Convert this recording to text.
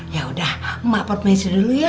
yaudah mbak pot mesin dulu ya